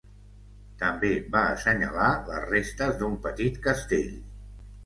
També va assenyalar les restes d'un petit castell.